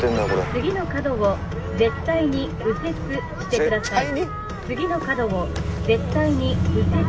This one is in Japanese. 「次の角を絶対に右折してください」。